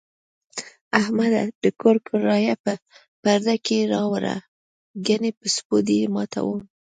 احمده! د کور کرایه په پرده کې راوړه، گني په سپو دې ماتوم.